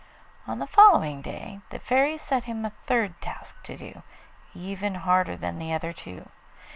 On the following day the Fairy set him a third task to do, even harder than the other two.